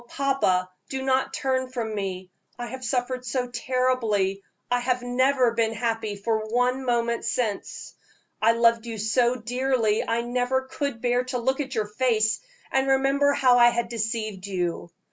papa, do not turn from me; I have suffered so terribly I have never been happy for one moment since. I loved you so dearly I never could bear to look at your face and remember how I had deceived you.